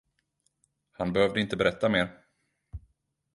Han behövde inte berätta mer.